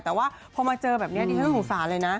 แต่ว่าพอมาเจอแบบนี้ดิฉันก็สงสารเลยนะ